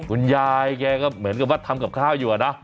คุณยายแกก็เหมือนกับว่าทำกับข้าวอยู่อะนะ